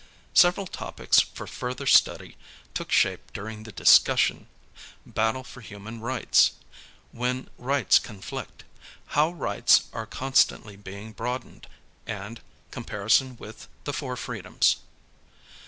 Several topics for further study took shape during the discussion: Battle for human rights; When rights conflict; How rights are constantly being broadened; and Comparison with the Four Freedoms.